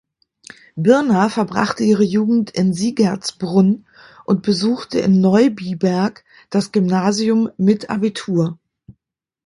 Birner verbrachte ihre Jugend in Siegertsbrunn und besuchte in Neubiberg das Gymnasium mit Abitur.